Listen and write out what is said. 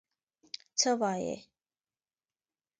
څه وايي.